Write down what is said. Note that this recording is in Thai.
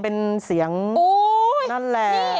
เป็นเสียงนั่นแหละ